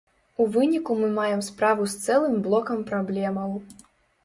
У выніку мы маем справу з цэлым блокам праблемаў.